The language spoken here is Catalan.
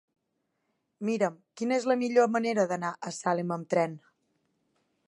Mira'm quina és la millor manera d'anar a Salem amb tren.